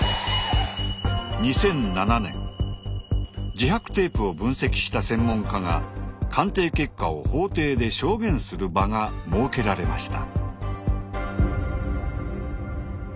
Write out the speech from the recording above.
自白テープを分析した専門家が鑑定結果を法廷で証言する場が設けられました。